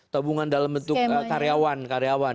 tabungan dalam bentuk karyawan